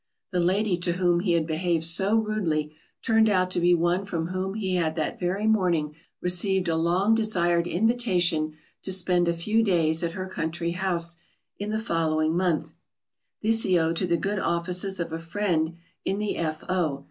The lady to whom he had behaved so rudely turned out to be one from whom he had that very morning received a long desired invitation to spend a few days at her country house in the following month. This he owed to the good offices of a friend in the F. O.